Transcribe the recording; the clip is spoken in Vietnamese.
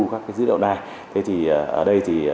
các dữ liệu này thế thì ở đây